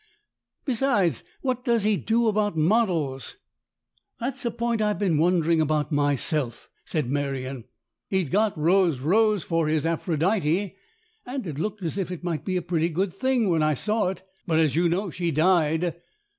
Besides, what does he do about models?" " That's a point I've been wondering about myself," said Merion. " He'd got Rose Rose for his ' Aphrodite,' and it looked as if it might be a pretty good thing when I saw it. But, as you know, she died.